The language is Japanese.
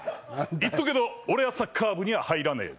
言っとくけど俺はサッカー部に入らねぇぞ。